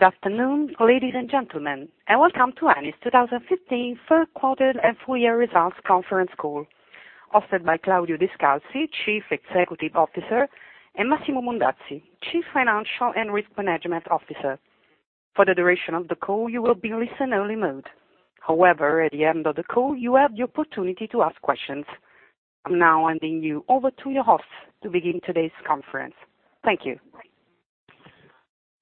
Good afternoon, ladies and gentlemen, and welcome to Eni's 2015 fourth quarter and full year results conference call offered by Claudio Descalzi, Chief Executive Officer, and Massimo Mantovani, Chief Financial and Risk Management Officer. For the duration of the call, you will be in listen-only mode. At the end of the call, you will have the opportunity to ask questions. I'm now handing you over to your hosts to begin today's conference. Thank you.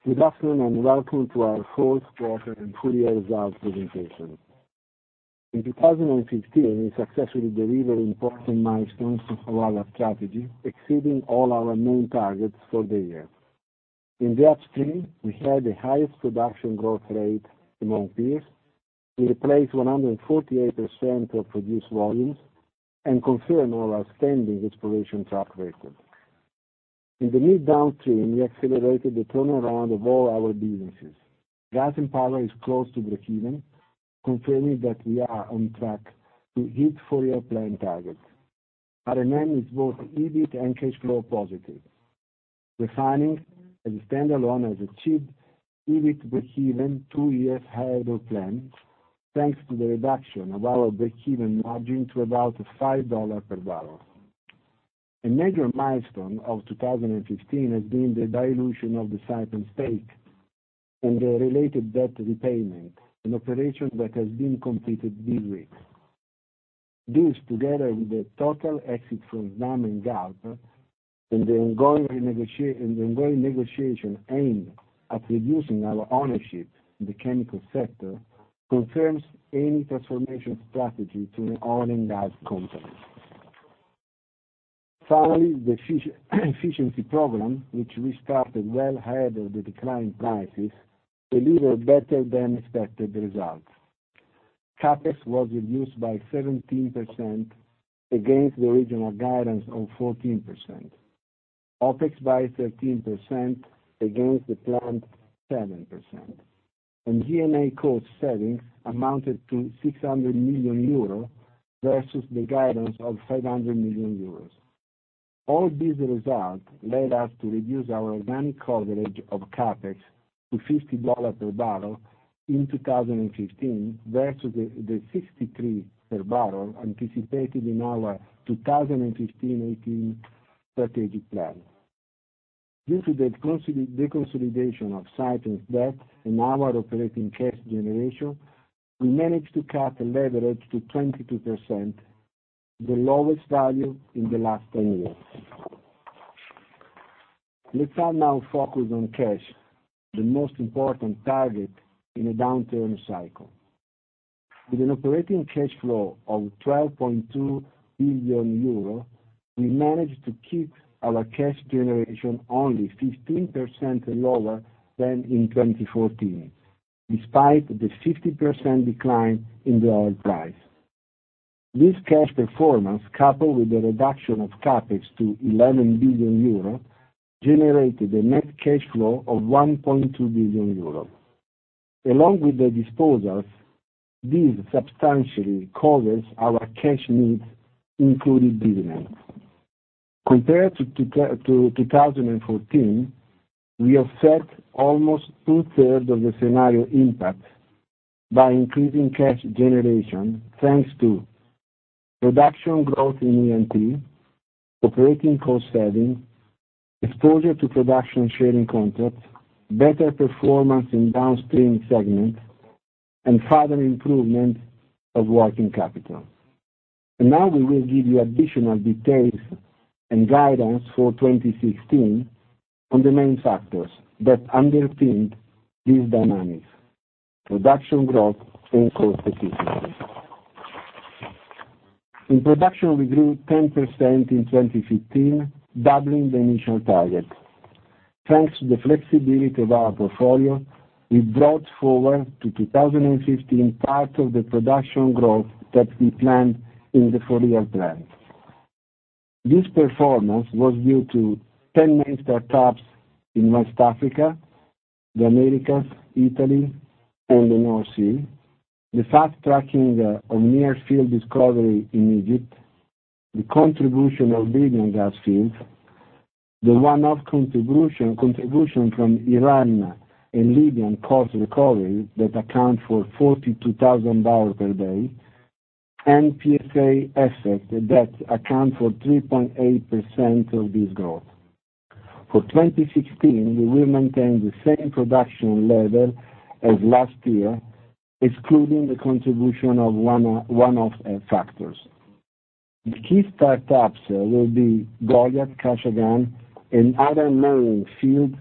Good afternoon and welcome to our fourth quarter and full-year results presentation. In 2015, we successfully delivered important milestones for our strategy, exceeding all our main targets for the year. In the upstream, we had the highest production growth rate among peers. We replaced 148% of produced volumes and confirmed all our standing exploration track record. In the mid downstream, we accelerated the turnaround of all our businesses. Gas and Power is close to breakeven, confirming that we are on track to hit full year plan targets. R&M is both EBIT and cash flow positive. Refining as a standalone has achieved EBIT breakeven two years ahead of plan, thanks to the reduction of our breakeven margin to about $5 per barrel. A major milestone of 2015 has been the dilution of the Saipem stake and the related debt repayment, an operation that has been completed this week. This, together with the total exit from NAM and Galp and the ongoing negotiation aimed at reducing our ownership in the chemical sector, confirms Eni transformation strategy to an oil and gas company. The efficiency program, which we started well ahead of the decline in prices, delivered better than expected results. CapEx was reduced by 17% against the original guidance of 14%. OpEx by 13% against the planned 7%. G&A cost savings amounted to 600 million euros, versus the guidance of 500 million euros. All these results led us to reduce our organic coverage of CapEx to $50 per barrel in 2015 versus the $63 per barrel anticipated in our 2015-18 strategic plan. Due to the deconsolidation of Saipem's debt and our operating cash generation, we managed to cut the leverage to 22%, the lowest value in the last 10 years. Let us now focus on cash, the most important target in a downturn cycle. With an operating cash flow of 12.2 billion euros, we managed to keep our cash generation only 15% lower than in 2014, despite the 50% decline in the oil price. This cash performance, coupled with the reduction of CapEx to 11 billion euro, generated a net cash flow of 1.2 billion euro. Along with the disposals, this substantially covers our cash needs, including dividends. Compared to 2014, we offset almost two-thirds of the scenario impact by increasing cash generation thanks to production growth in E&P, operating cost savings, exposure to production sharing contracts, better performance in downstream segments, and further improvement of working capital. Now we will give you additional details and guidance for 2016 on the main factors that underpinned these dynamics: production growth and cost efficiency. In production, we grew 10% in 2015, doubling the initial target. Thanks to the flexibility of our portfolio, we brought forward to 2015 part of the production growth that we planned in the four-year plan. This performance was due to 10 main startups in West Africa, the Americas, Italy, and the North Sea, the fast tracking of near-field discovery in Egypt, the contribution of Libyan gas fields, the one-off contribution from Iran and Libyan cost recovery that account for 42,000 barrels per day, and PSA assets that account for 3.8% of this growth. For 2016, we will maintain the same production level as last year, excluding the contribution of one-off factors. The key startups will be Goliat, Kashagan, and other main fields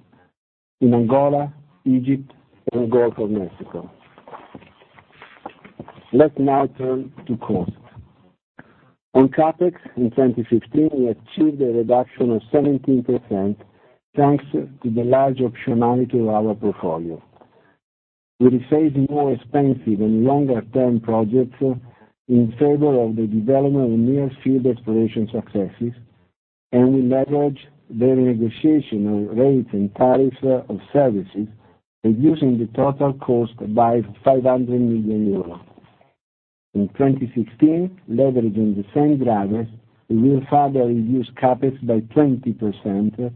in Angola, Egypt, and the Gulf of Mexico. Let's now turn to cost. On CapEx in 2015, we achieved a reduction of 17% thanks to the large optionality of our portfolio. We rephased more expensive and longer-term projects in favor of the development of near-field exploration successes, we leveraged the negotiation on rates and tariffs of services, reducing the total cost by 500 million euros. In 2016, leveraging the same drivers, we will further reduce CapEx by 20%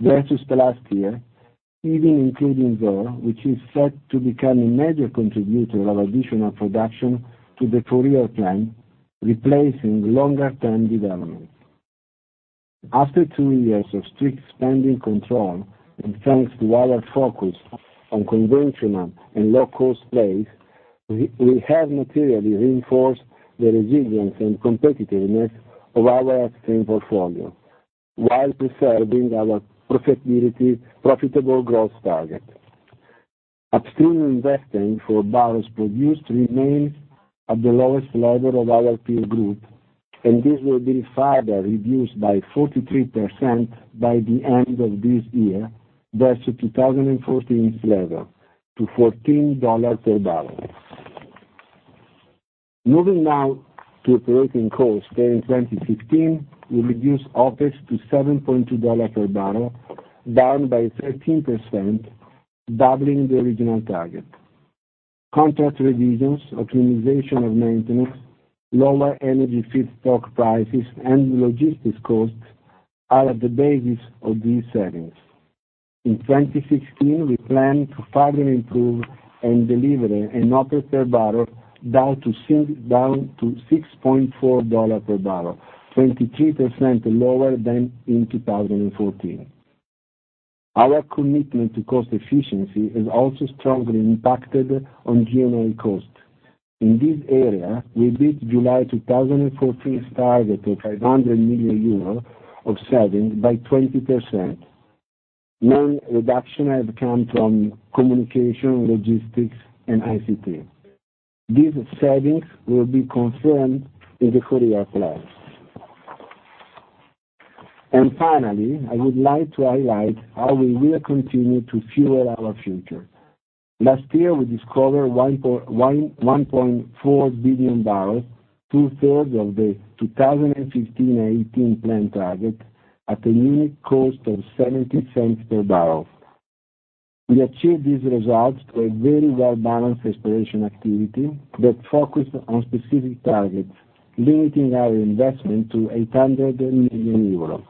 versus last year, even including Zohr, which is set to become a major contributor of additional production to the [Korea] plan, replacing longer term development. After two years of strict spending control, thanks to our focus on conventional and low-cost plays, we have materially reinforced the resilience and competitiveness of our upstream portfolio, while preserving our profitable growth target. Upstream investing for barrels produced remains at the lowest level of our peer group. This will be further reduced by 43% by the end of this year versus 2014's level, to $14 per barrel. Moving now to operating costs, during 2015, we reduced OpEx to $7.20 per barrel, down by 13%, doubling the original target. Contract revisions, optimization of maintenance, lower energy feedstock prices, and logistics costs are at the basis of these savings. In 2016, we plan to further improve and deliver an OpEx per barrel down to $6.40 per barrel, 23% lower than in 2014. Our commitment to cost efficiency has also strongly impacted on G&A costs. In this area, we beat July 2014's target of 500 million euros of savings by 20%. Main reduction has come from communication, logistics, and ICT. These savings will be confirmed in the [Korea] plan. Finally, I would like to highlight how we will continue to fuel our future. Last year, we discovered 1.4 billion barrels, two-thirds of the 2015 and 2018 plan target, at a unit cost of $0.70 per barrel. We achieved these results through a very well-balanced exploration activity that focused on specific targets, limiting our investment to 800 million euros.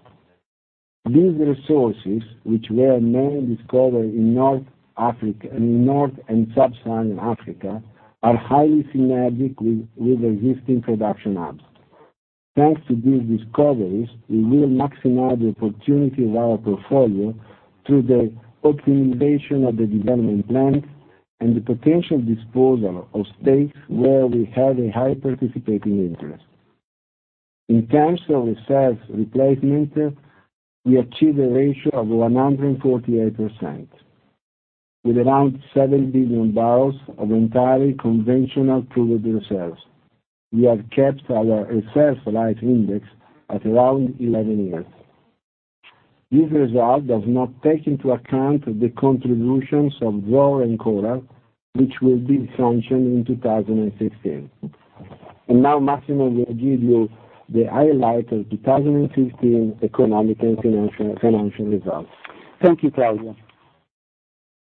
These resources, which were mainly discovered in North and Sub-Saharan Africa, are highly synergic with existing production hubs. Thanks to these discoveries, we will maximize the opportunity of our portfolio through the optimization of the development plan and the potential disposal of stakes where we have a high participating interest. In terms of reserves replacement, we achieved a ratio of 148%, with around seven billion barrels of entirely conventional proved reserves. We have kept our reserves life index at around 11 years. This result does not take into account the contributions of Zohr and Coral, which will be sanctioned in 2016. Now Massimo will give you the highlight of 2015 economic and financial results. Thank you, Claudio.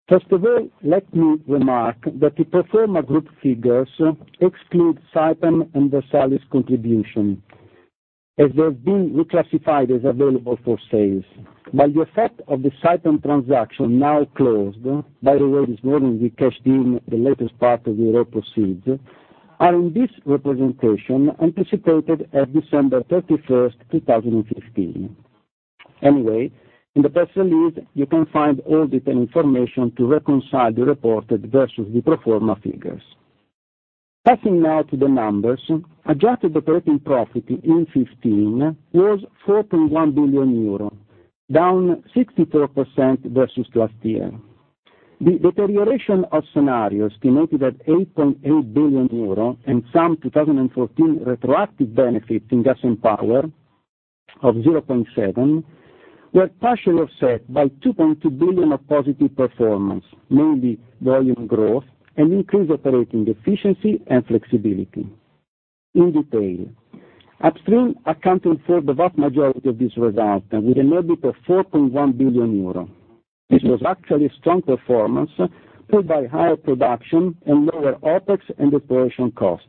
First of all, let me remark that the pro forma group figures exclude Saipem and Versalis contribution, as they have been reclassified as available for sale. While the effect of the Saipem transaction, now closed, by the way, this morning we cashed in the latest part of the raw proceeds, are in this representation anticipated at December 31st, 2015. Anyway, in the press release, you can find all detailed information to reconcile the reported versus the pro forma figures. Passing now to the numbers, adjusted operating profit in 2015 was 4.1 billion euro, down 64% versus last year. The deterioration of scenarios, estimated at 8.8 billion euro, and some 2014 retroactive benefits in Gas & Power of 0.7 billion, were partially offset by 2.2 billion of positive performance, mainly volume growth and increased operating efficiency and flexibility. In detail, Upstream accounted for the vast majority of this result with an EBIT of 4.1 billion euros. This was actually strong performance pulled by higher production and lower OpEx and exploration cost,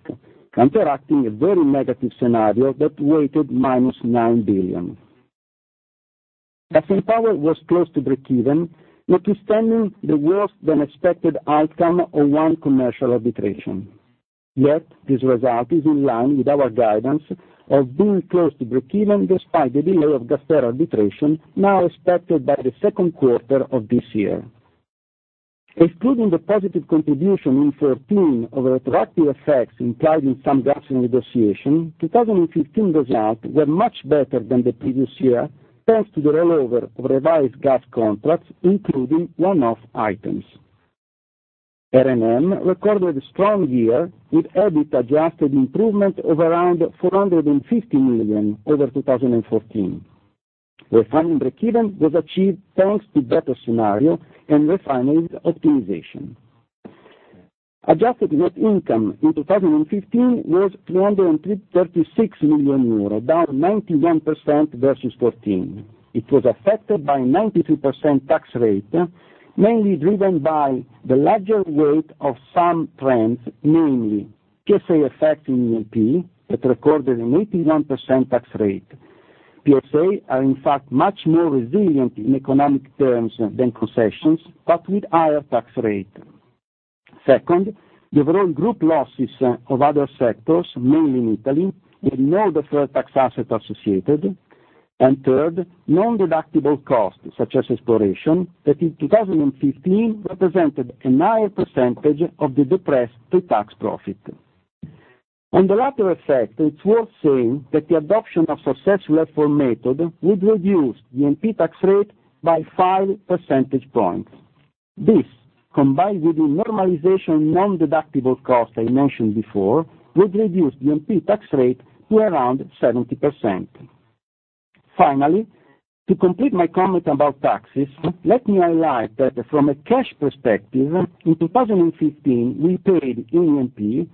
counteracting a very negative scenario that weighted minus 9 billion. Gas & Power was close to breakeven, notwithstanding the worse than expected outcome of one commercial arbitration. Yet this result is in line with our guidance of being close to breakeven despite the delay of GasTerra arbitration now expected by the second quarter of this year. Excluding the positive contribution in 2014 of retroactive effects implied in some gas renegotiation, 2015 results were much better than the previous year, thanks to the rollover of revised gas contracts, including one-off items. R&M recorded a strong year with EBIT adjusted improvement of around 450 million over 2014. Refining breakeven was achieved thanks to better scenario and refining optimization. Adjusted net income in 2015 was 336 million euro, down 91% versus 2014. It was affected by 93% tax rate, mainly driven by the larger weight of some trends, mainly PSA effect in E&P, that recorded an 81% tax rate. PSA are in fact much more resilient in economic terms than concessions, but with higher tax rate. Second, the overall group losses of other sectors, mainly in Italy, with no deferred tax asset associated. Third, non-deductible costs such as exploration, that in 2015 represented a higher percentage of the depressed pre-tax profit. On the latter effect, it's worth saying that the adoption of successful efforts method would reduce the Eni tax rate by five percentage points. This, combined with the normalization non-deductible cost I mentioned before, would reduce the Eni tax rate to around 70%. Finally, to complete my comment about taxes, let me highlight that from a cash perspective, in 2015, we paid Eni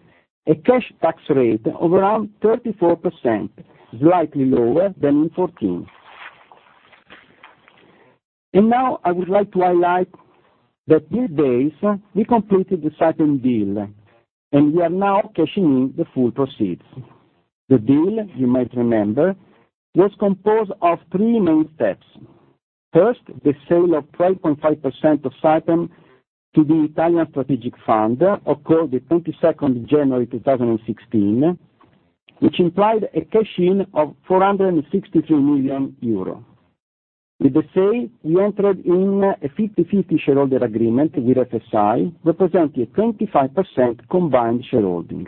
a cash tax rate of around 34%, slightly lower than in 2014. Now I would like to highlight that these days we completed the Saipem deal, and we are now cashing in the full proceeds. The deal, you might remember, was composed of three main steps. First, the sale of 12.5% of Saipem to the Italian Strategic Fund occurred the 22nd of January 2016, which implied a cash-in of 463 million euro. With the say, we entered in a 50/50 shareholder agreement with FSI, representing 25% combined shareholding.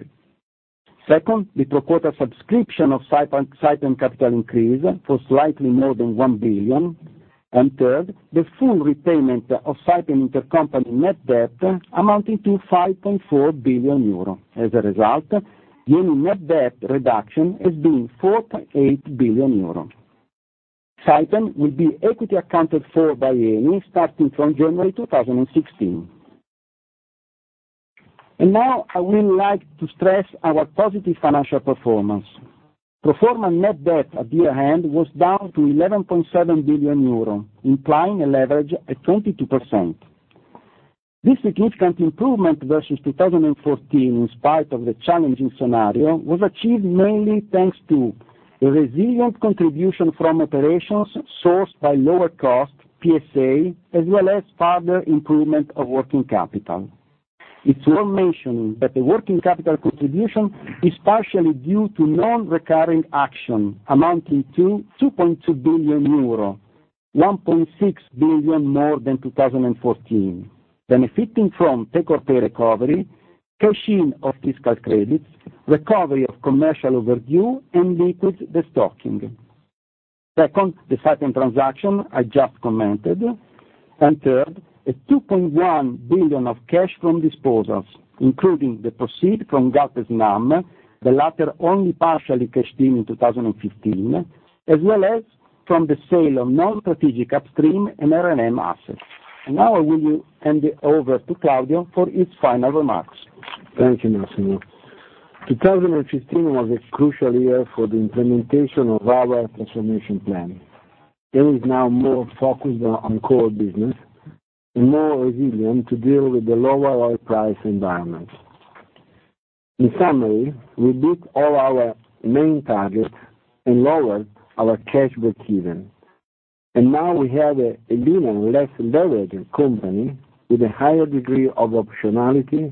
Second, the pro quota subscription of Saipem capital increase for slightly more than 1 billion. Third, the full repayment of Saipem intercompany net debt amounting to 5.4 billion euro. As a result, the Eni net debt reduction has been 4.8 billion euro. Saipem will be equity accounted for by Eni starting from January 2016. Now I would like to stress our positive financial performance. Pro forma net debt at year-end was down to 11.7 billion euro, implying a leverage at 22%. This significant improvement versus 2014, in spite of the challenging scenario, was achieved mainly thanks to a resilient contribution from operations sourced by lower cost, PSA, as well as further improvement of working capital. It's worth mentioning that the working capital contribution is partially due to non-recurring action amounting to 2.2 billion euro, 1.6 billion more than 2014, benefiting from take-or-pay recovery, cash-in of fiscal credits, recovery of commercial overdue, and liquid destocking. Second, the Saipem transaction I just commented. Third, a 2.1 billion of cash from disposals, including the proceeds from Galp and Snam, the latter only partially cashed in in 2015, as well as from the sale of non-strategic upstream and R&M assets. Now I will hand it over to Claudio for his final remarks. Thank you, Massimo. 2015 was a crucial year for the implementation of our transformation plan. Eni is now more focused on core business and more resilient to deal with the lower oil price environment. In summary, we beat all our main targets and lowered our cash breakeven. Now we have a leaner, less leveraged company with a higher degree of optionality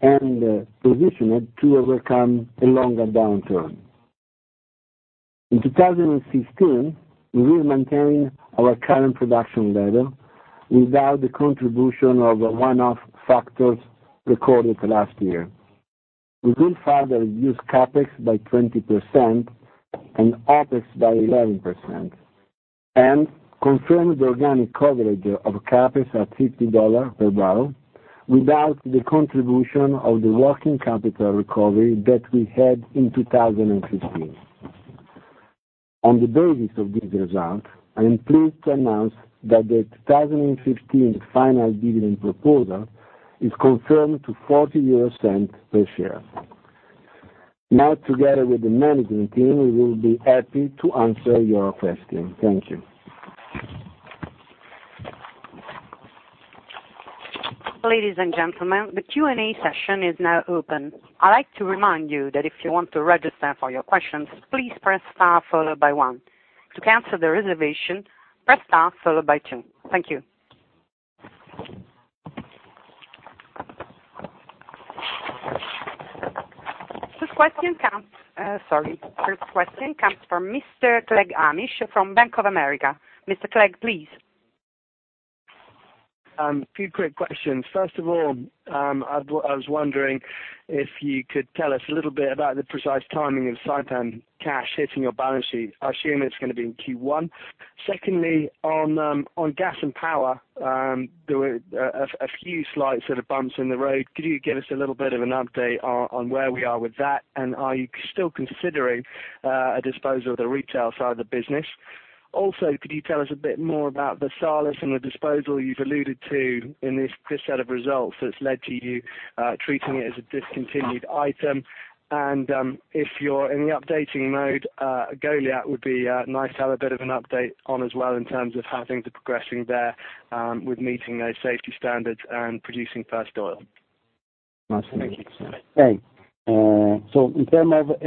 and positioned to overcome a longer downturn. In 2016, we will maintain our current production level without the contribution of one-off factors recorded last year. We will further reduce CapEx by 20% and OpEx by 11% and confirm the organic coverage of CapEx at $50 per barrel without the contribution of the working capital recovery that we had in 2015. On the basis of this result, I am pleased to announce that the 2015 final dividend proposal is confirmed to 0.40 per share. Now, together with the management team, we will be happy to answer your questions. Thank you. Ladies and gentlemen, the Q&A session is now open. I'd like to remind you that if you want to register for your questions, please press star followed by one. To cancel the reservation, press star followed by two. Thank you. First question comes from Mr. Hamish Clegg from Bank of America. Mr. Clegg, please. A few quick questions. First of all, I was wondering if you could tell us a little bit about the precise timing of Saipem cash hitting your balance sheet. I assume it's going to be in Q1. Secondly, on Gas & Power, there were a few slight sort of bumps in the road. Could you give us a little bit of an update on where we are with that? Are you still considering a disposal of the retail side of the business? Also, could you tell us a bit more about the sale and the disposal you've alluded to in this set of results that's led to you treating it as a discontinued item? If you're in the updating mode, Goliat would be nice to have a bit of an update on as well in terms of how things are progressing there with meeting those safety standards and producing first oil. Thank you. Okay. In terms of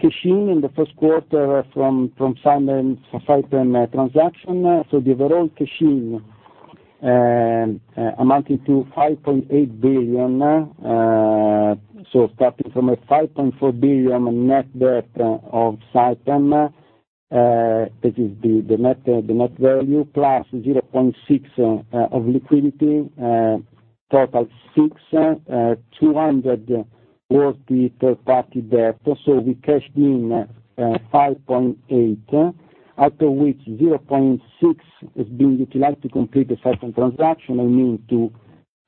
cash in the first quarter from Saipem transaction, the overall cash in amounting to 5.8 billion. Starting from a 5.4 billion net debt of Saipem, this is the net value. Plus 0.6 billion of liquidity, total 6 billion. 200 million was the third-party debt. We cashed in 5.8 billion, out of which 0.6 billion is being utilized to complete the Saipem transaction. I mean, to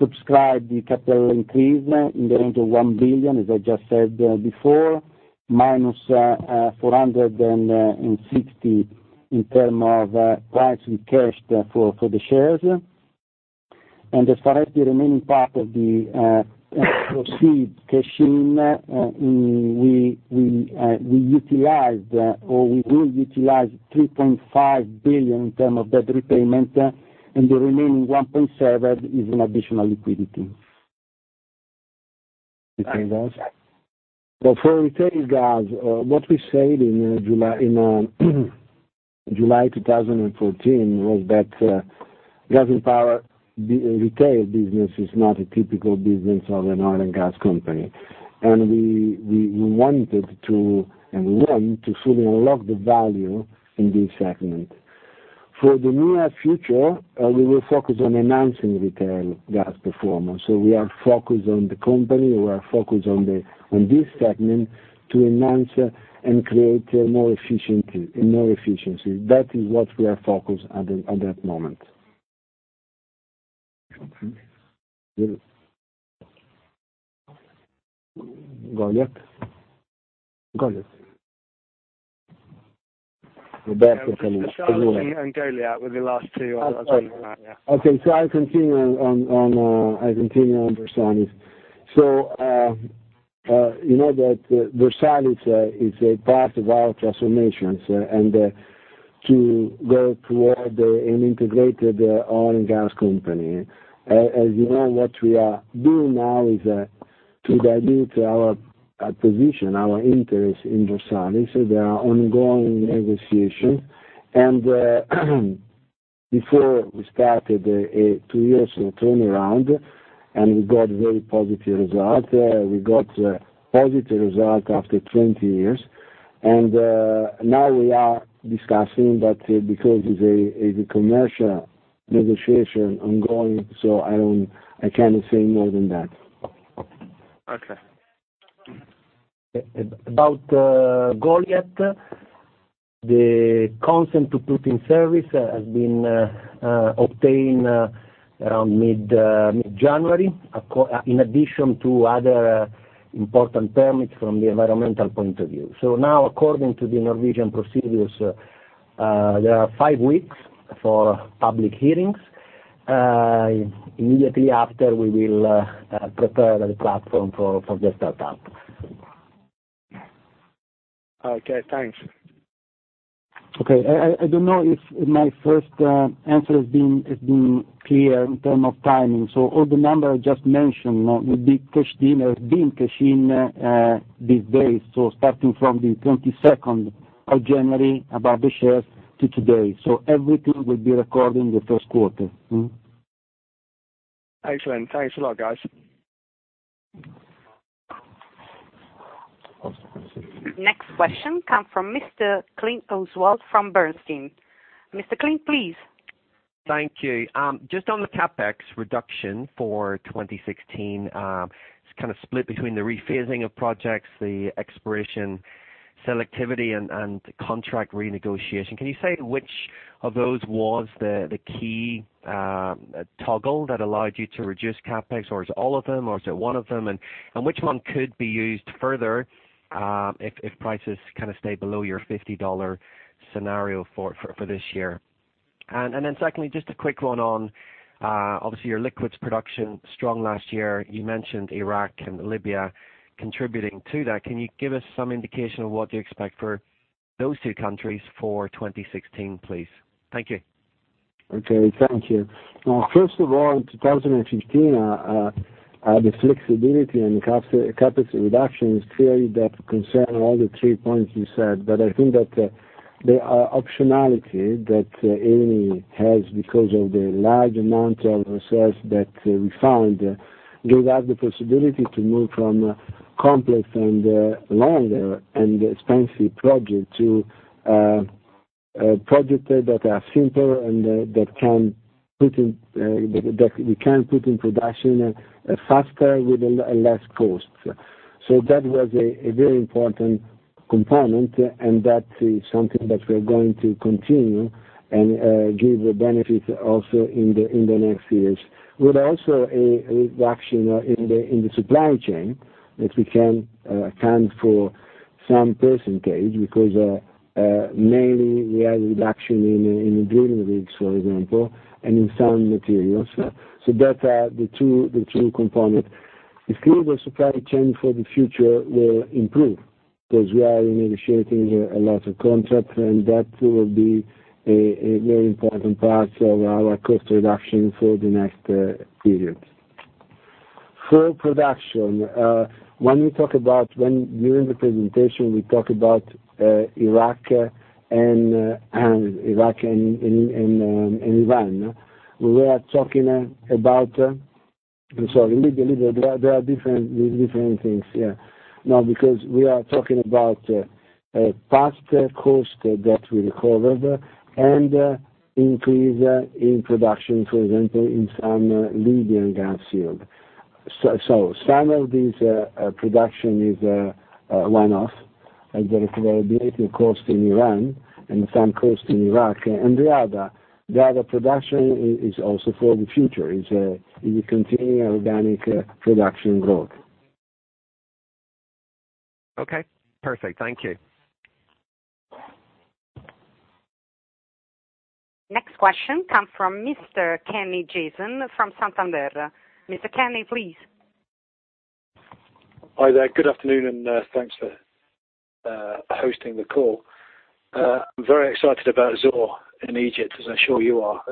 subscribe the capital increase in the range of 1 billion, as I just said before, minus 460 million in terms of price we cashed for the shares. As far as the remaining part of the proceed cash in, we utilized, or we will utilize 3.5 billion in terms of debt repayment, and the remaining 1.7 billion is in additional liquidity. Retail gas? For retail gas, what we said in July 2014 was that Gas & Power retail business is not a typical business of an oil and gas company. We want to fully unlock the value in this segment. For the near future, we will focus on enhancing retail gas performance. We are focused on this segment to enhance and create more efficiency. That is what we are focused at that moment. Okay. Goliat? Roberto. We can do Versalis and Goliat were the last two I was wondering about, yeah. Okay. I continue on Versalis. You know that Versalis is a part of our transformations, and to go toward an integrated oil and gas company. As you know, what we are doing now is to dilute our position, our interest in Versalis. There are ongoing negotiations. Before we started a two years turnaround, and we got very positive result. We got a positive result after 20 years. Now we are discussing, because it's a commercial negotiation ongoing, I cannot say more than that. Okay. About Goliat, the consent to put in service has been obtained around mid-January, in addition to other important permits from the environmental point of view. Now according to the Norwegian procedures, there are five weeks for public hearings. Immediately after, we will prepare the platform for the startup. Okay, thanks. Okay. I don't know if my first answer has been clear in terms of timing. All the numbers I just mentioned will be cashed in, or been cashed in these days. Starting from the 22nd of January, about the shares to today. Everything will be recorded in the first quarter. Excellent. Thanks a lot, guys. Awesome. Next question comes from Mr. Clint Oswald from Bernstein. Mr. Clint, please. Thank you. Just on the CapEx reduction for 2016, it's kind of split between the rephasing of projects, the exploration selectivity, and contract renegotiation. Can you say which of those was the key toggle that allowed you to reduce CapEx? Is it all of them, or is it one of them? Which one could be used further, if prices stay below your $50 scenario for this year? Secondly, just a quick one on, obviously your liquids production strong last year. You mentioned Iraq and Libya contributing to that. Can you give us some indication of what you expect for those two countries for 2016, please? Thank you. Okay, thank you. First of all, 2015, the flexibility and capacity reduction is clearly that concern all the three points you said, I think that there are optionality that Eni has because of the large amount of reserves that we found, gave us the possibility to move from complex and longer and expensive project to projects that are simpler and that we can put in production faster with less costs. That was a very important component, and that is something that we are going to continue and give benefits also in the next years. With also a reduction in the supply chain, that we can account for some percentage because mainly we have reduction in drilling rigs, for example, and in some materials. That are the two components. Clearly, the supply chain for the future will improve. We are negotiating a lot of contracts, That will be a very important part of our cost reduction for the next period. For production, during the presentation, we talked about Iraq and Iran. We were talking about I'm sorry, in Libya, there are different things. We are talking about past costs that we recovered and increase in production, for example, in some Libyan gas field. Some of this production is a one-off, there is a little cost in Iran and some cost in Iraq, The other production is also for the future, is in the continuing organic production growth. Okay, perfect. Thank you. Next question comes from Mr. Jason Kenney from Santander. Mr. Kenney, please. Hi there. Good afternoon, and thanks for hosting the call. I'm very excited about Zohr in Egypt, as I'm sure you are.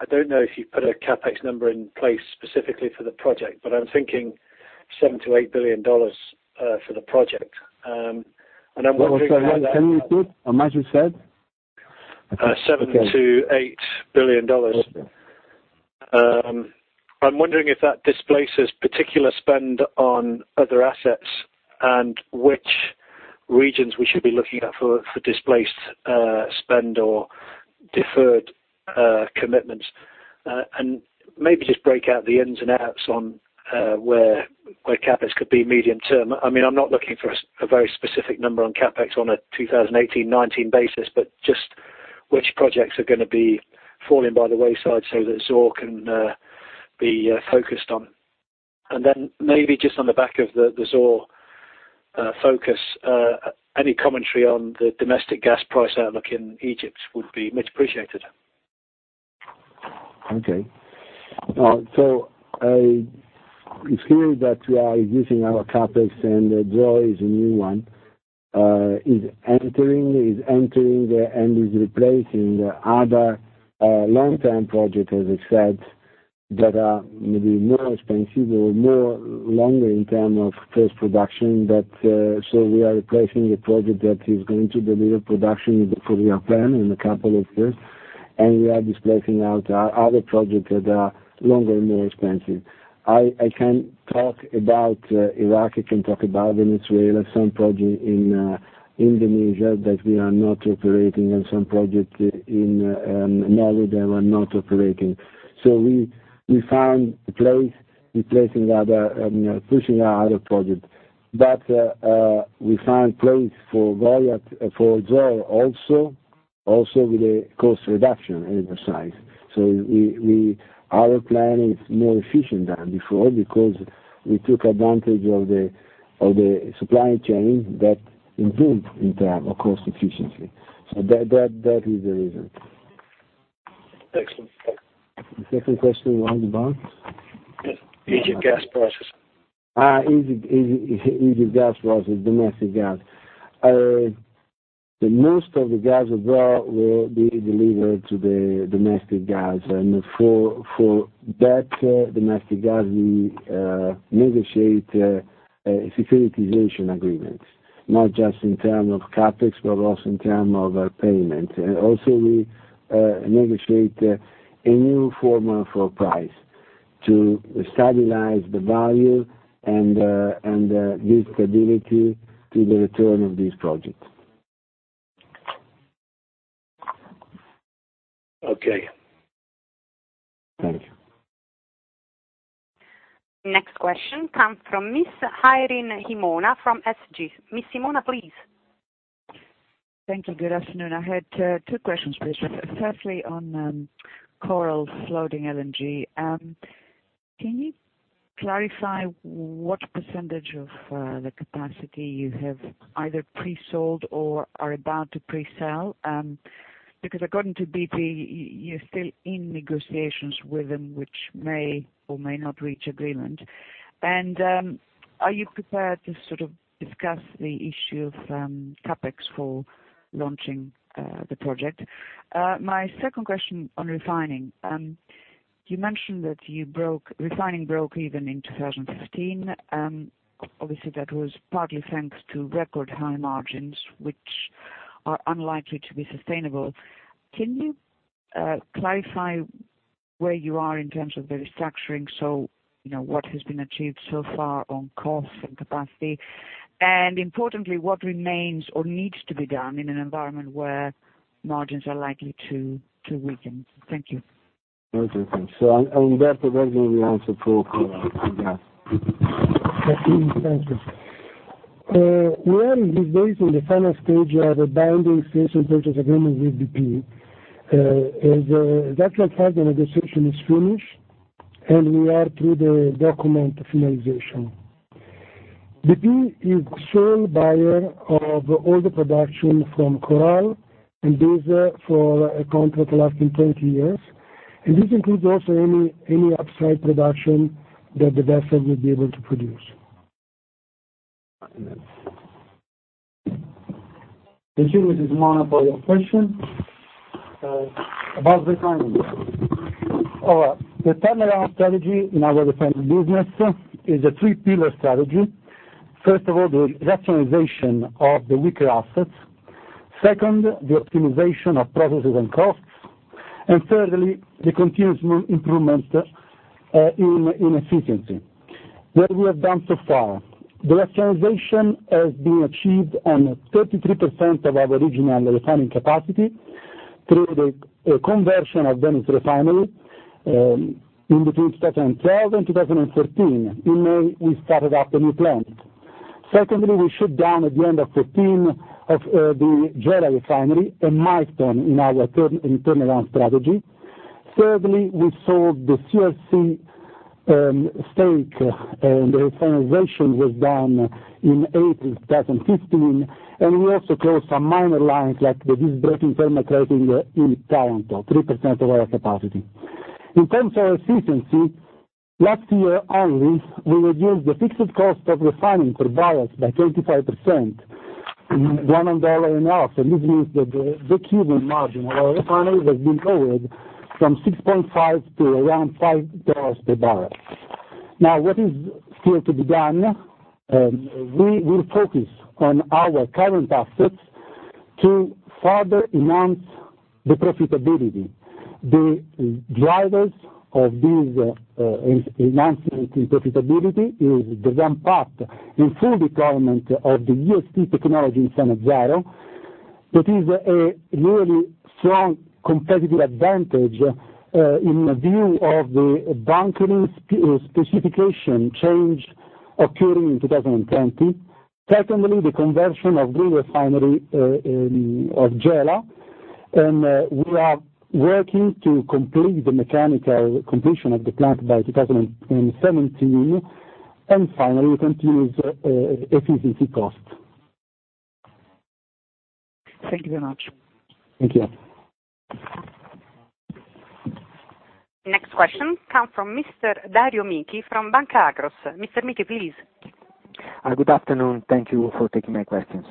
I don't know if you put a CapEx number in place specifically for the project, but I'm thinking EUR 7 billion-EUR 8 billion for the project. I'm wondering- Sorry, can you repeat? I imagine you said? EUR 7 billion-EUR 8 billion. Okay. I'm wondering if that displaces particular spend on other assets and which regions we should be looking at for displaced spend or deferred commitments. Maybe just break out the ins and outs on where CapEx could be medium term. I'm not looking for a very specific number on CapEx on a 2018-2019 basis, but just which projects are going to be falling by the wayside so that Zohr can be focused on. Then maybe just on the back of the Zohr focus, any commentary on the domestic gas price outlook in Egypt would be much appreciated. Okay. It's clear that we are using our CapEx, and Zohr is a new one. It's entering the end user place in the other long-term project, as I said, that are maybe more expensive or longer in terms of first production. We are replacing a project that is going to deliver production for our plan in a couple of years, and we are displacing out our other projects that are longer and more expensive. I can talk about Iraq, I can talk about Venezuela, some project in Indonesia that we are not operating, and some projects in Norway that we're not operating. We found a place replacing the other, pushing our other project. We found place for Zohr also with the cost reduction exercise. Our plan is more efficient than before because we took advantage of the supply chain that improved in terms of cost efficiency. That is the reason. Excellent. The second question was about? Egypt gas prices. Egypt gas prices, domestic gas. Most of the gas as well will be delivered to the domestic gas. For that domestic gas, we negotiate securitization agreements, not just in terms of CapEx, but also in terms of payment. We negotiate a new format for price to stabilize the value and give stability to the return of these projects. Okay. Thank you. Next question comes from Ms. Irene Himona from SG. Ms. Himona, please. Thank you. Good afternoon. I had two questions, please. Firstly, on Coral's floating LNG. Can you clarify what percentage of the capacity you have either pre-sold or are about to pre-sell? Because according to BP, you're still in negotiations with them, which may or may not reach agreement. Are you prepared to discuss the issue of CapEx for launching the project? My second question on refining. You mentioned that refining broke even in 2015. Obviously, that was partly thanks to record high margins, which are unlikely to be sustainable. Can you clarify where you are in terms of the restructuring? What has been achieved so far on cost and capacity, importantly, what remains or needs to be done in an environment where margins are likely to weaken? Thank you. Okay, thanks. Umberto Gherghella will answer for gas. Thank you. We are in these days in the final stage of a binding sales and purchase agreement with BP. As a matter of fact, the negotiation is finished, and we are through the document finalization. BP is sole buyer of all the production from Coral, and this for a contract lasting 20 years. This includes also any upside production that the vessel will be able to produce. Continue with this monopoly question, about the timing. All right. The turnaround strategy in our refining business is a three-pillar strategy. First of all, the rationalization of the weaker assets. Second, the optimization of processes and costs. Thirdly, the continuous improvement in efficiency. What we have done so far, the rationalization has been achieved on 33% of our original refining capacity through the conversion of Venice Refinery, in between 2012 and 2013. In May, we started up a new plant. Secondly, we shut down at the end of 2013, the Gela Refinery, a milestone in our turnaround strategy. Thirdly, we sold the CRC stake, and the refinery was done in April 2015, and we also closed some minor lines like the visbreaking thermal cracking in Taranto, 3% of our capacity. In terms of efficiency, last year only, we reduced the fixed cost of refining per barrels by 25%, $1.50, and this means that the breakeven margin of our refinery has been lowered from $6.50 to around $5 per barrel. Now, what is still to be done, we will focus on our current assets to further enhance the profitability. The drivers of this enhancement in profitability is the ramp-up in full deployment of the EST technology in Sannazzaro. That is a really strong competitive advantage in view of the bunkering specification change occurring in 2020. Secondly, the conversion of the refinery of Gela, and we are working to complete the mechanical completion of the plant by 2017. Finally, we continue with efficiency cost. Thank you very much. Thank you. Next question comes from Mr. Dario Michi from Banca Akros. Mr. Michi, please. Hi, good afternoon. Thank you for taking my questions.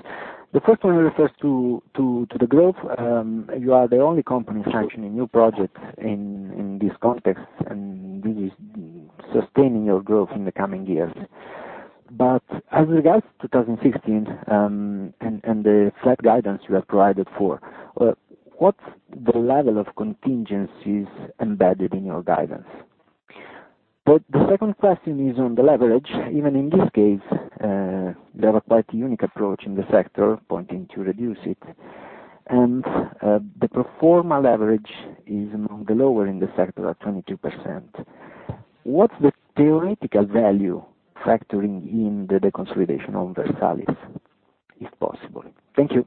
The first one refers to the growth. You are the only company sanctioning new projects in this context, and this is sustaining your growth in the coming years. As regards 2016, and the flat guidance you have provided for, what's the level of contingencies embedded in your guidance? The second question is on the leverage. Even in this case, you have a quite unique approach in the sector, pointing to reduce it. The pro forma leverage is among the lower in the sector at 22%. What's the theoretical value factoring in the deconsolidation of Versalis, if possible? Thank you.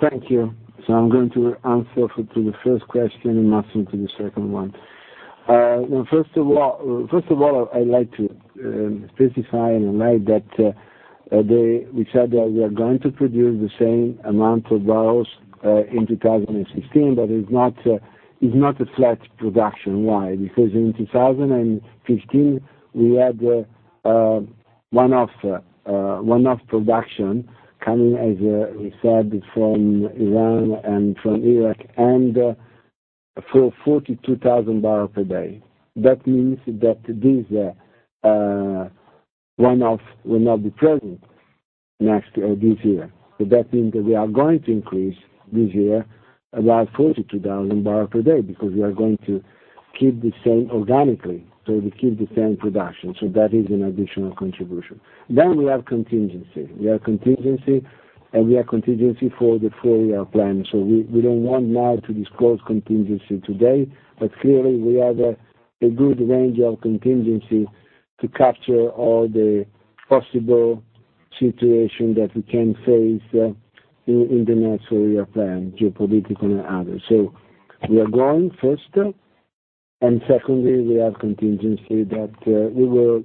Thank you. I'm going to answer to the first question and Massimo to the second one. I'd like to specify and remind that we said that we are going to produce the same amount of barrels in 2016, but it's not a flat production. Why? Because in 2015, we had a one-off production coming, as we said, from Iran and from Iraq for 42,000 barrels per day. That means that this one-off will not be present this year. That means that we are going to increase this year about 42,000 barrels per day because we are going to keep the same organically, so we keep the same production. That is an additional contribution. We have contingency. We have contingency, and we have contingency for the full year plan. We don't want now to disclose contingency today, but clearly, we have a good range of contingency to capture all the possible situations that we can face in the next full year plan, geopolitical and others. We are growing first, and secondly, we have contingency that we will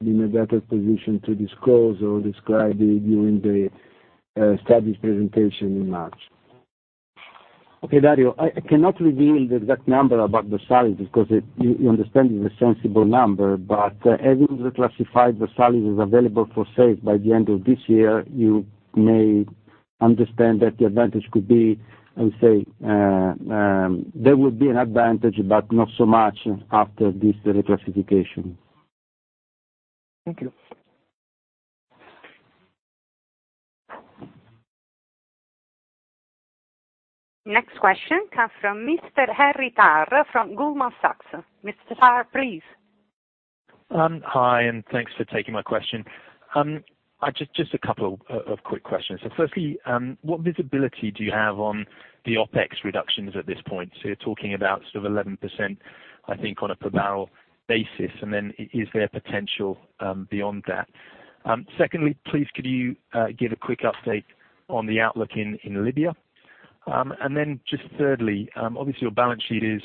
be in a better position to disclose or describe during the strategy presentation in March. Okay, Dario, I cannot reveal the exact number about Versalis because you understand it's a sensible number. Having reclassified Versalis as available for sale by the end of this year, you may understand that the advantage could be, I would say, there would be an advantage, but not so much after this reclassification. Thank you. Next question comes from Mr. Harry Tarr from Goldman Sachs. Mr. Tarr, please. Hi, thanks for taking my question. Just a couple of quick questions. Firstly, what visibility do you have on the OpEx reductions at this point? You're talking about sort of 11%, I think, on a per barrel basis. Is there potential beyond that? Secondly, please could you give a quick update on the outlook in Libya? Thirdly, obviously your balance sheet is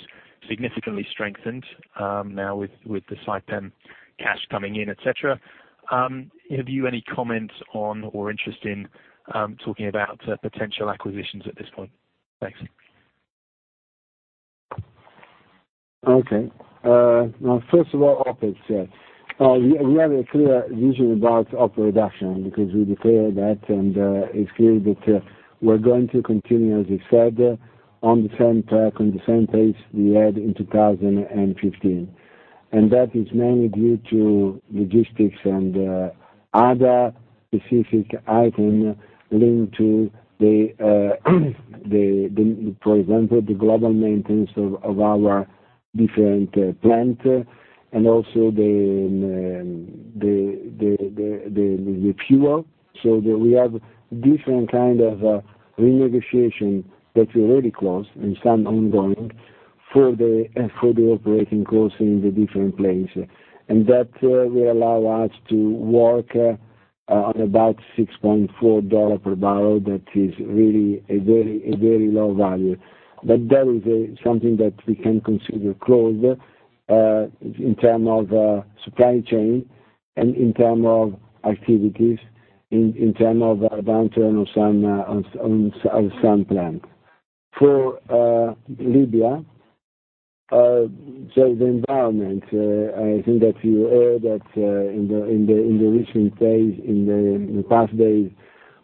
Significantly strengthened now with the Saipem cash coming in, et cetera. Have you any comment on or interest in talking about potential acquisitions at this point? Thanks. First of all, OpEx. We have a clear vision about our production because we declared that. It's clear that we're going to continue, as we said, on the same track, on the same pace we had in 2015. That is mainly due to logistics and other specific items linked to the, for example, the global maintenance of our different plants and also the fuel, so that we have different kinds of renegotiation that we already closed and some ongoing for the operating costs in the different places. That will allow us to work on about $6.40 per barrel. That is really a very low value. That is something that we can consider closed in terms of supply chain and in terms of activities, in terms of downturn of some plants. For Libya, the environment, I think that you heard that in the recent days, in the past days,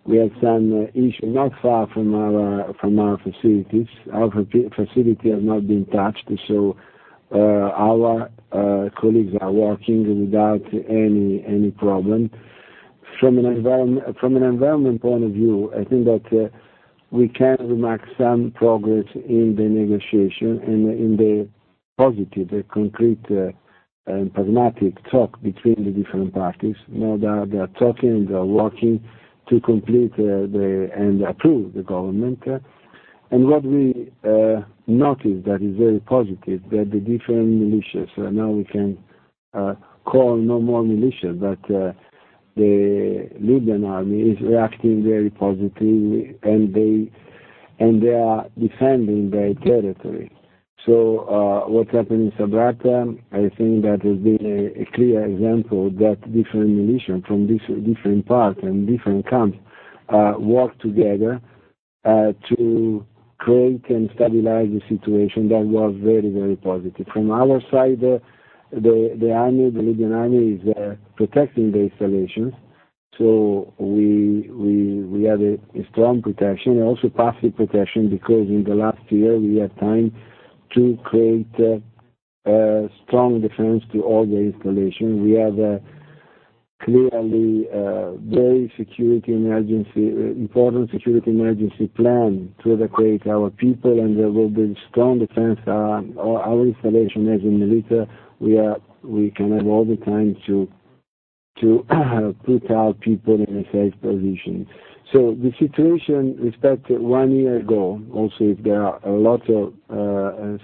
we had some issues, not far from our facilities. Our facility has not been touched, so our colleagues are working without any problem. From an environment point of view, I think that we can remark some progress in the negotiation, in the positive, concrete, pragmatic talk between the different parties. They are talking, they are working to complete and approve the government. What we noticed that is very positive, that the different militias, now we can call no more militia, but the Libyan army is reacting very positively, and they are defending their territory. What happened in Sabratha, I think that has been a clear example that different militia from different parts and different camps work together to create and stabilize the situation. That was very positive. We have a strong protection, also passive protection, because in the last year, we had time to create a strong defense to all the installations. We have a clearly very important security emergency plan to evacuate our people, and there will be strong defense on our installation as in Mellitah. We can have all the time to put our people in a safe position. The situation, respect to one year ago, also, if there are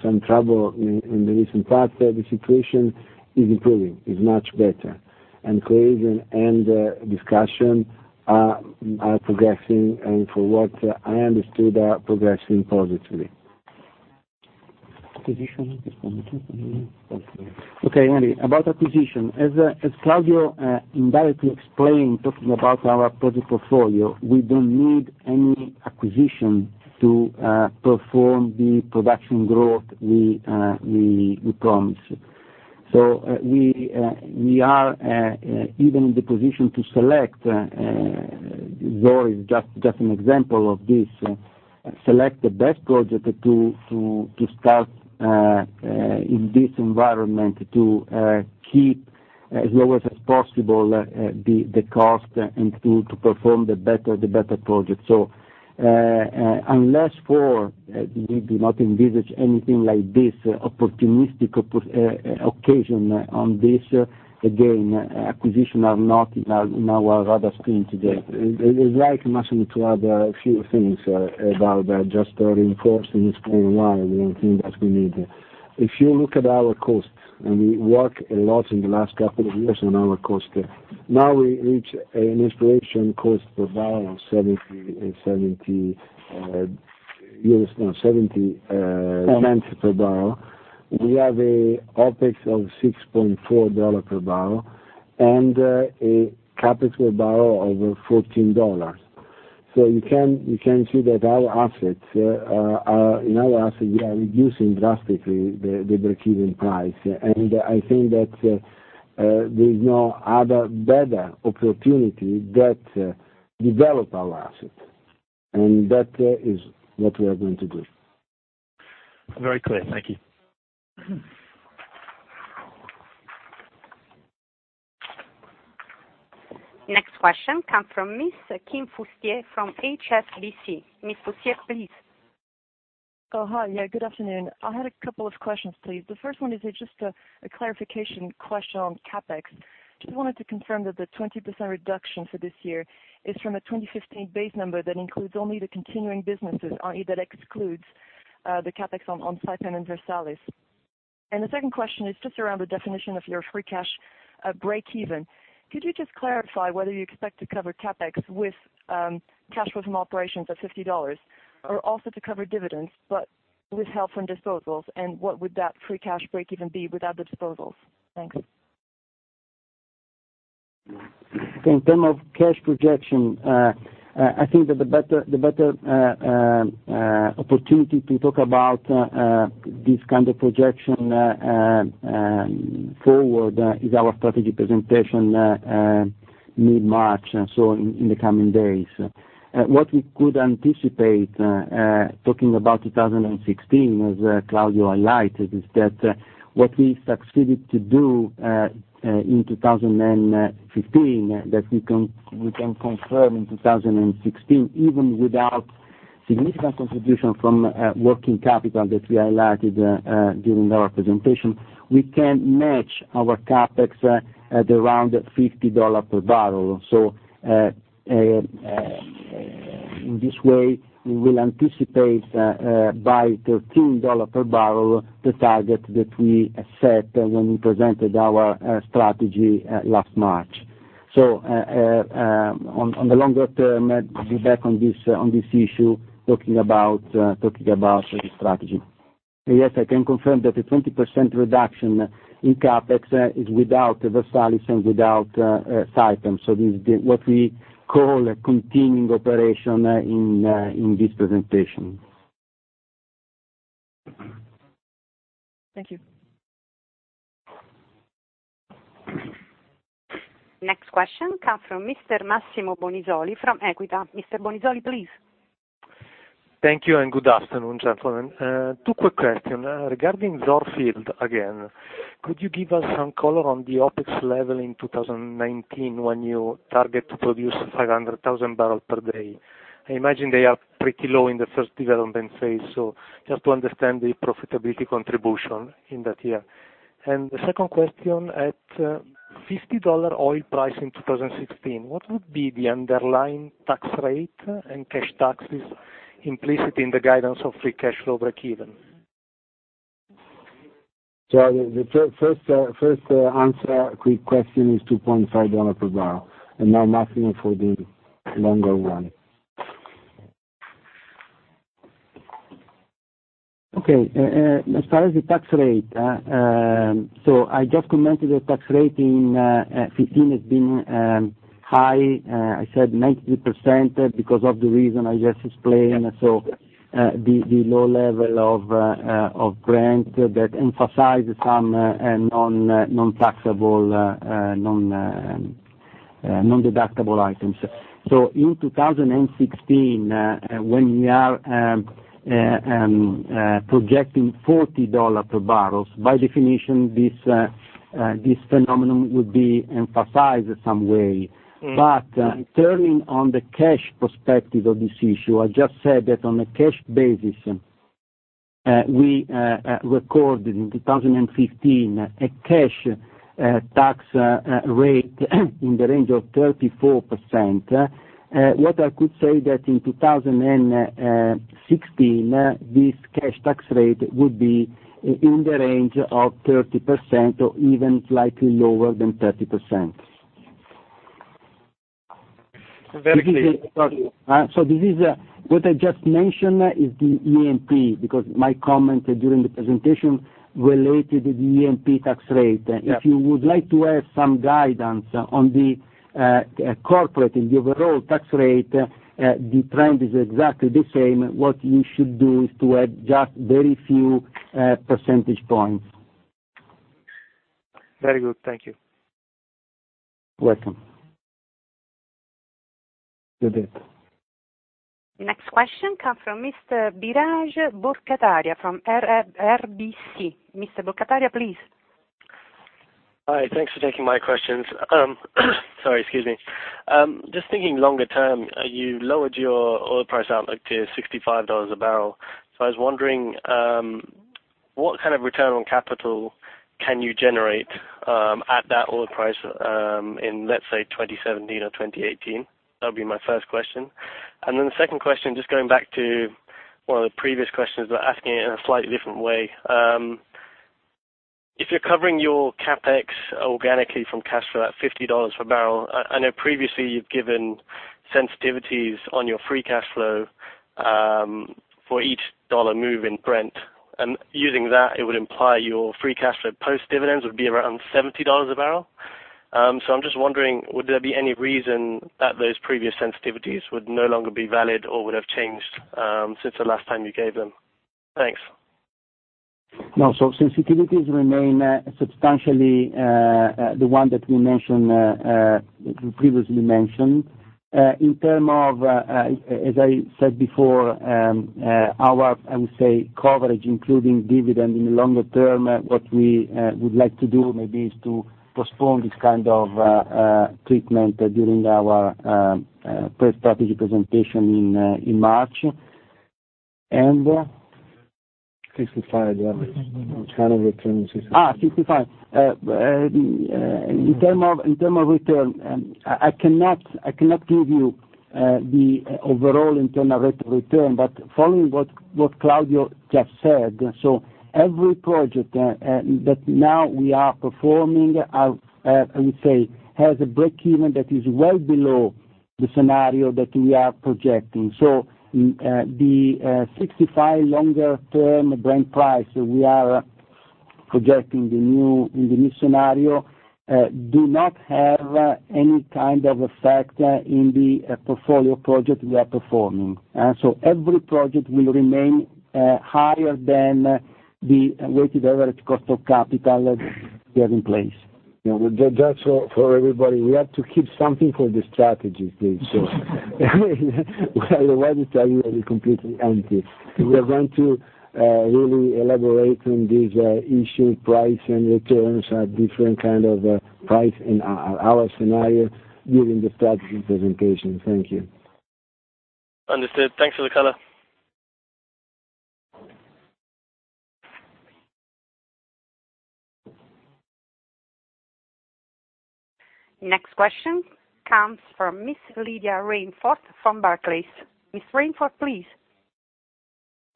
some trouble in the recent past, the situation is improving, is much better, and creation and discussion are progressing, and from what I understood, are progressing positively. Acquisition? Okay, Harry, about acquisition. As Claudio indirectly explained, talking about our project portfolio, we don't need any acquisition to perform the production growth we promised. We are even in the position to select, Zohr is just an example of this, select the best project to start in this environment to keep as low as possible the cost and to perform the better project. Unless for, we do not envisage anything like this opportunistic occasion on this, again, acquisition are not in our radar screen today. I'd like Massimo to add a few things about that, just reinforcing this point why we don't think that we need. If you look at our costs, and we work a lot in the last couple of years on our costs. Now we reach an exploration cost per barrel of $0.70 per barrel. We have an OpEx of $6.40 per barrel and a CapEx per barrel over $14. You can see that in our assets, we are reducing drastically the break-even price. I think that there is no other better opportunity than to develop our assets. That is what we are going to do. Very clear. Thank you. Next question come from Ms. Kim Fustier from HSBC. Ms. Fustier, please. Oh, hi. Yeah, good afternoon. I had a couple of questions, please. The first one is just a clarification question on CapEx. Just wanted to confirm that the 20% reduction for this year is from a 2015 base number that includes only the continuing businesses, i.e., that excludes the CapEx on Saipem and Versalis. The second question is just around the definition of your free cash break-even. Could you just clarify whether you expect to cover CapEx with cash flow from operations at $50 or also to cover dividends, but with help from disposals? What would that free cash break-even be without the disposals? Thanks. In term of cash projection, I think that the better opportunity to talk about this kind of projection forward is our strategy presentation mid-March, in the coming days. What we could anticipate, talking about 2016, as Claudio highlighted, is that what we succeeded to do in 2015, that we can confirm in 2016, even without significant contribution from working capital that we highlighted during our presentation, we can match our CapEx at around $50 per barrel. In this way, we will anticipate by $13 per barrel the target that we set when we presented our strategy last March. On the longer term, I'll be back on this issue, talking about the strategy. Yes, I can confirm that the 20% reduction in CapEx is without Versalis and without Saipem, this is what we call a continuing operation in this presentation. Thank you. Next question comes from Mr. Massimo Bonisoli from Equita. Mr. Bonisoli, please. Thank you and good afternoon, gentlemen. Two quick question. Regarding Zohr field again, could you give us some color on the OpEx level in 2019 when you target to produce 500,000 barrels per day? I imagine they are pretty low in the first development phase, so just to understand the profitability contribution in that year. The second question, at $50 oil price in 2016, what would be the underlying tax rate and cash taxes implicit in the guidance of free cash flow break-even? The first answer, quick question is $2.50 per barrel. Now Massimo for the longer one. Okay. As far as the tax rate, I just commented that tax rate in 2015 has been high, I said 90% because of the reason I just explained, the low level of Brent that emphasized some non-taxable, non-deductible items. In 2016, when we are projecting $40 per barrels, by definition, this phenomenon would be emphasized some way. Turning on the cash perspective of this issue, I just said that on a cash basis, we recorded in 2015 a cash tax rate in the range of 34%. What I could say that in 2016, this cash tax rate would be in the range of 30% or even slightly lower than 30%. Very clear. What I just mentioned is the E&P, because my comment during the presentation related to the E&P tax rate. Yeah. If you would like to have some guidance on the corporate and the overall tax rate, the trend is exactly the same. What you should do is to add just very few percentage points. Very good. Thank you. Welcome, Judith. The next question comes from Mr. Biraj Borkhataria from RBC. Mr. Borkhataria, please. Hi. Thanks for taking my questions. Sorry, excuse me. Just thinking longer term, you lowered your oil price outlook to $65 a barrel. I was wondering, what kind of return on capital can you generate at that oil price in, let's say, 2017 or 2018? That would be my first question. The second question, just going back to one of the previous questions, but asking it in a slightly different way. If you're covering your CapEx organically from cash flow at $50 per barrel, I know previously you've given sensitivities on your free cash flow for each dollar move in Brent. Using that, it would imply your free cash flow post dividends would be around $70 a barrel. I'm just wondering, would there be any reason that those previous sensitivities would no longer be valid or would have changed since the last time you gave them? Thanks. No. Sensitivities remain substantially the one that we previously mentioned. In term of, as I said before, our, I would say, coverage, including dividend in the longer term, what we would like to do maybe is to postpone this kind of treatment during our pre-strategy presentation in March. 65, yes. Return of 65. 65. In terms of return, I cannot give you the overall internal rate of return. Following what Claudio just said, every project that now we are performing, I would say, has a breakeven that is well below the scenario that we are projecting. The 65 longer-term Brent price we are projecting in the new scenario do not have any kind of effect in the portfolio project we are performing. Every project will remain higher than the weighted average cost of capital we have in place. That's for everybody. We have to keep something for the strategy day. We already tell you everything completely empty. We are going to really elaborate on this issue, price, and returns at different kind of price in our scenario during the strategy presentation. Thank you. Understood. Thanks for the color. Next question comes from Miss Lydia Rainforth from Barclays. Miss Rainforth, please.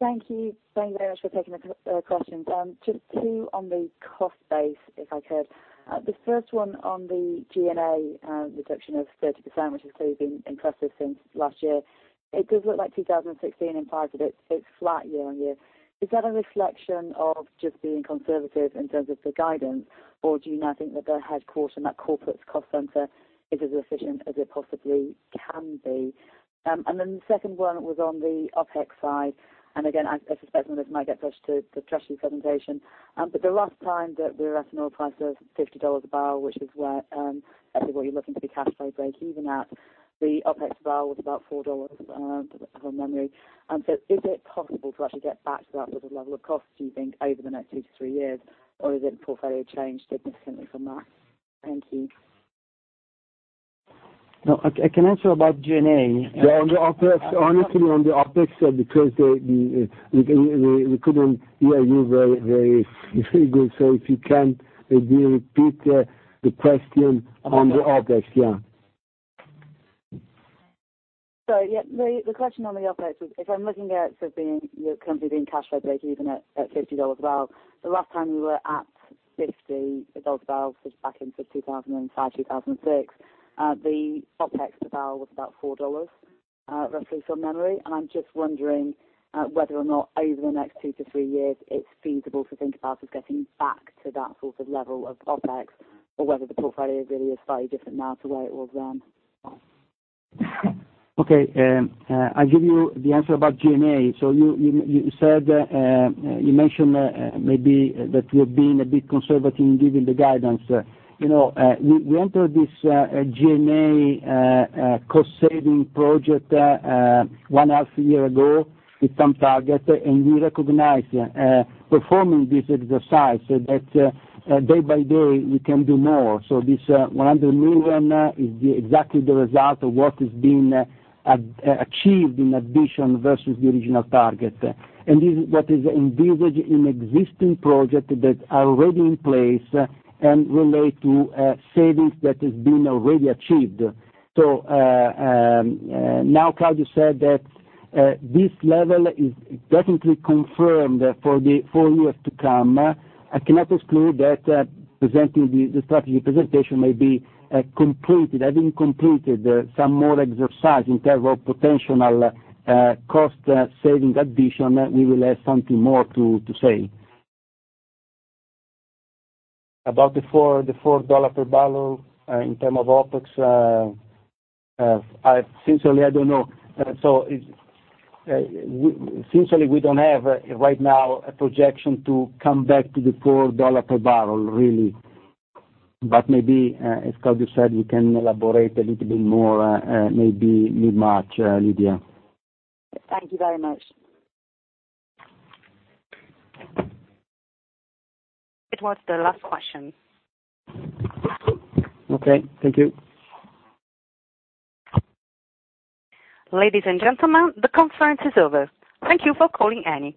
Thank you. Thank you very much for taking the questions. Just two on the cost base, if I could. The first one on the G&A reduction of 30%, which has clearly been impressive since last year. It does look like 2016 impacted it. It is flat year-over-year. Is that a reflection of just being conservative in terms of the guidance, or do you now think that the headquarters and that corporate's cost center is as efficient as it possibly can be? The second one was on the OpEx side, and again, I suspect some of this might get pushed to the [strategy] presentation. The last time that we were at an oil price of $50 a barrel, which is where, actually, where you are looking to be cash flow breakeven at, the OpEx barrel was about $4, from memory. Is it possible to actually get back to that sort of level of cost, do you think, over the next two to three years? Has its portfolio changed significantly from that? Thank you. I can answer about G&A. On the OpEx, honestly, because we couldn't hear you very good. If you can maybe repeat the question on the OpEx. Sorry. The question on the OpEx was, if I'm looking at the company being cash flow breakeven at $50 a barrel. The last time you were at $50 a barrel was back in sort of 2005, 2006. The OpEx per barrel was about $4, roughly from memory. I'm just wondering whether or not over the next two to three years it's feasible to think about us getting back to that sort of level of OpEx or whether the portfolio really is slightly different now to where it was then. Okay. I give you the answer about G&A. You mentioned maybe that we're being a bit conservative in giving the guidance. We entered this G&A cost saving project one half year ago with some target, and we recognize performing this exercise, that day by day we can do more. This 100 million is exactly the result of what is being achieved in addition versus the original target. This is what is envisaged in existing project that are already in place and relate to savings that has been already achieved. Now Claudio said that this level is definitely confirmed for the four years to come. I cannot exclude that presenting the strategy presentation may be completed. Having completed some more exercise in terms of potential cost saving addition, we will have something more to say. About the $4 per barrel in term of OpEx, sincerely, I don't know. Sincerely, we don't have right now a projection to come back to the $4 per barrel, really. Maybe, as Claudio said, we can elaborate a little bit more, maybe mid-March, Lydia. Thank you very much. It was the last question. Okay. Thank you. Ladies and gentlemen, the conference is over. Thank you for calling Eni.